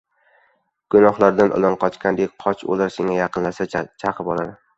• Gunohlardan ilondan qochgandek qoch — ular senga yaqinlashsa, chaqib oladi.